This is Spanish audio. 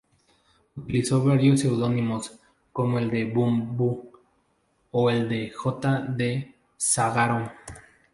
Utilizó varios seudónimos como el de Bam-bhú o el de J. de S´Agaró.